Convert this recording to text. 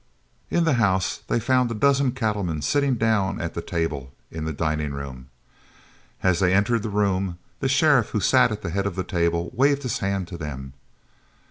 In the house they found a dozen cattlemen sitting down at the table in the dining room. As they entered the room the sheriff, who sat at the head of the table, waved his hand to them.